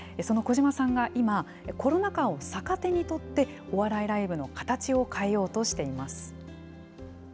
その児島さんが今、コロナ禍を逆手にとって、お笑いライブの形を変えようとしています。